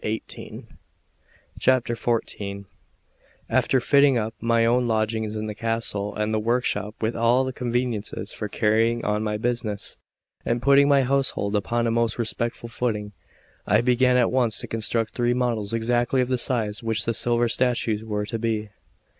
XIV AFTER fitting up my own lodgings in the castle and the workshop with all conveniences for carrying on my business, and putting my household upon a most respectable footing, I began at once to construct three models exactly of the size which the silver statues were to be.